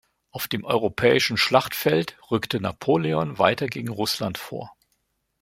Auf dem europäischen Schlachtfeld rückte Napoleon weiter gegen Russland vor.